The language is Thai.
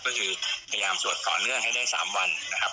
ก็คือพยายามสวดต่อเนื่องให้ได้๓วันนะครับ